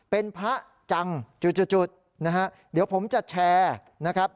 เป็นพระจังจุดจุดนะฮะเดี๋ยวผมจะแชร์นะครับ